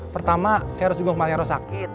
pertama saya harus dukung kemarin eros sakit